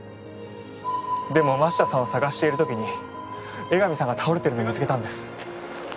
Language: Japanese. でも真下さんを捜している時に江上さんが倒れているのを見つけたんです。